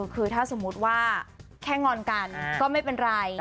คือถ้าสมมุติว่าแค่งอนกันก็ไม่เป็นไร